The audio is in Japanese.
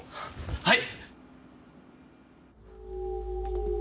はい。